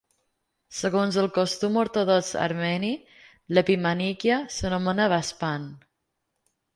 Segons el costum ortodox armeni, l'"epimanikia" s'anomena "baspan".